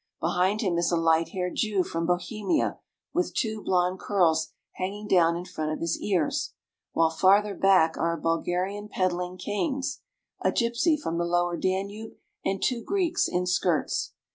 Behind him is a light haired Jew from Bohemia, with two blond curls hanging down in front of his ears, while farther back are a Bulgarian peddling canes, a gypsy from the lower Danube, and two Greeks in skirts.